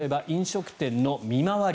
例えば飲食店の見回り。